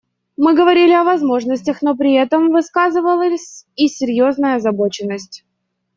Мы говорили о возможностях, но при этом высказывалась и серьезная озабоченность.